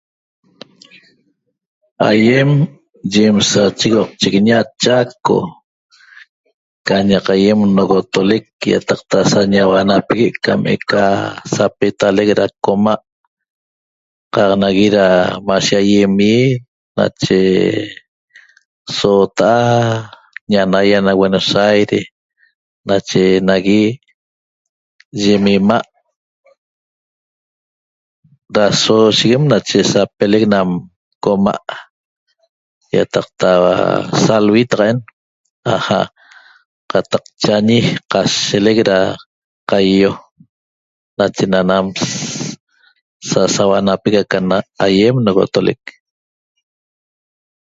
Aiem yem sachegoqchiguiña Chaco ca ñaq aiem nogotolec iataqta sañahuanapegue' cam eca sapetalec ra coma' qaq nagui ra mashe aiem ỹi nache soota'a ñanaia na Buenos Aires nache nagui yem ima' da soosheguem nache sapelec nam coma' iataqta salhui taqaen aja' qataq chañi qashelec ra qaio' nache na nam sasauanapega ca na'aq aiem nogotolec